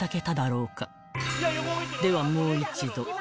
［ではもう一度］